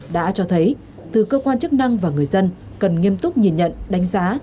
đã cho thấy từ cơ quan chức năng và người dân cần nghiêm túc nhìn nhận đánh giá